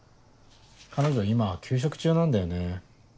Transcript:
彼女今休職中なんだよね。